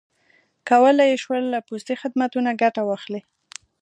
کولای یې شول له پوستي خدمتونو ګټه واخلي.